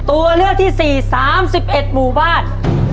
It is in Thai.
ตัวเลือกที่๔๓๑หมู่บ้าน